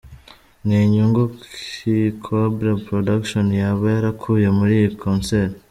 Ni nyungu ki Cobra Production yaba yarakuye muri iyi Concert?.